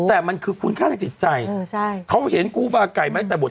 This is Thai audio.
แต่มันคือคุณค่าทางจิตใจเขาเห็นครูบาไก่ไหมแต่บท